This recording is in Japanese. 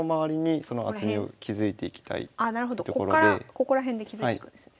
ここら辺で築いていくんですね。